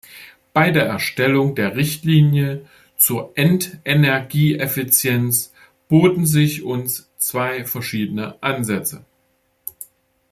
Bei der Erstellung der Richtlinie zur Endenergieeffizienz boten sich uns zwei verschiedene Ansätze.